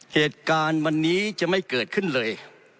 เหตุการณ์วันนี้จะไม่เกิดขึ้นเลย